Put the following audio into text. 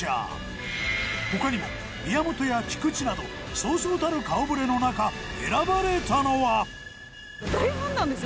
他にも宮本や菊池などそうそうたる顔ぶれの中選ばれたのは。